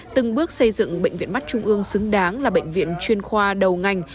từng bước xây dựng bệnh viện mắt trung ương xứng đáng là bệnh viện chuyên khoa đầu ngành